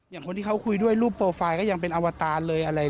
คนที่เขาคุยด้วยรูปโปรไฟล์ก็ยังเป็นอวตารเลยอะไร